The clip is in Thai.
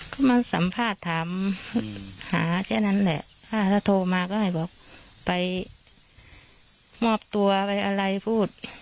ก็มาสัมภาษณ์ถามหาแค่นั้นแหละถ้าโทรมาก็ให้บอกไปมอบตัวไปอะไรพูด